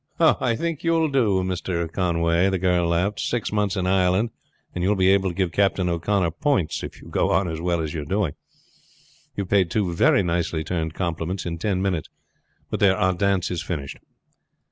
"I think you will do, Mr. Conway," the girl laughed, "Six months in Ireland and you will be able to give Captain O'Connor points if you go on as well as you are doing. You have paid two very nicely turned compliments in ten minutes. But there, our dance is finished."